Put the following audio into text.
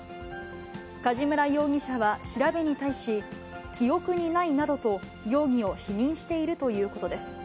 梶村容疑者は調べに対し、記憶にないなどと、容疑を否認しているということです。